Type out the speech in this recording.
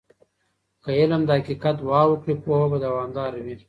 که علم د حقیقت دعا وکړي، پوهه به دوامدار وي.